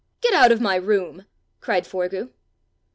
"Get out of my room," cried Forgue.